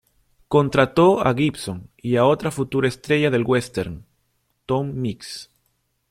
Contrató a Gibson y a otra futura estrella del western, Tom Mix.